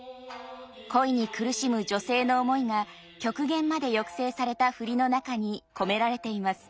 恋に苦しむ女性の思いが極限まで抑制された振りの中に込められています。